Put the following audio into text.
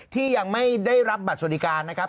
ที่ยังไม่ได้รับบัตรสวัสดิการนะครับ